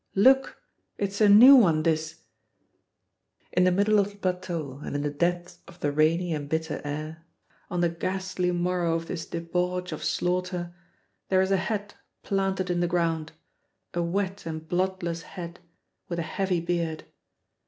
"Look! It's a new one, this " In the middle of the plateau and in the depth of the rainy and bitter air, on the ghastly morrow of this debauch of slaughter, there is a head planted in the ground, a wet and bloodless head, with a heavy beard.